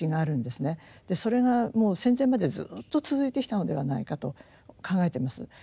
それがもう戦前までずっと続いてきたのではないかと考えてます。